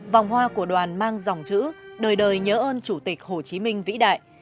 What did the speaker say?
vòng hoa của đoàn mang dòng chữ đời đời nhớ ơn chủ tịch hồ chí minh vĩ đại